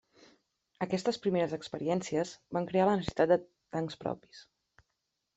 Aquestes primeres experiències van crear la necessitat de tancs propis.